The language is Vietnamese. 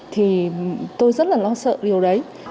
thì tôi rất là lo sợ điều đấy